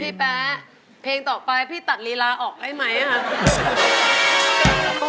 พี่แป๊ะเพลงต่อไปพี่ตัดรีลาออกให้ไหมฮะ